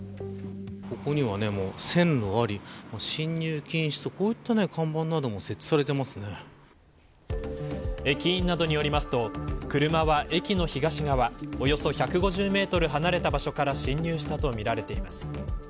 ここには線路があり進入禁止という看板なども駅員などによりますと車は駅の東側およそ１５０メートル離れた場所から進入したとみられています。